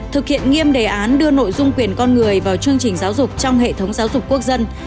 thực hiện nghiêm đề án đưa nội dung quyền con người vào chương trình giáo dục trong hệ thống giáo dục quốc dân